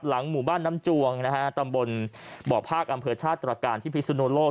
หลังหมู่บ้านน้ำจวงนะฮะตำบลบ่อภาคอำเภอชาติตรการที่พิสุนโลก